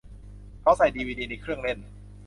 เขาใส่ดีวีดีในเครื่องเล่น